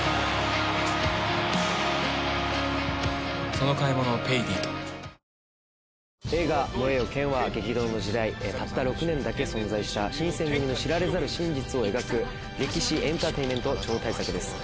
その妙技に一同驚愕映画『燃えよ剣』は激動の時代たった６年だけ存在した新選組の知られざる真実を描く歴史エンターテインメント超大作です。